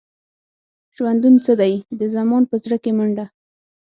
ژوندون څه دی؟ د زمان په زړه کې منډه.